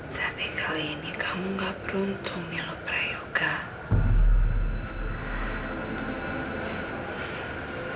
tapi kali ini kamu nggak beruntung ya lo prayugah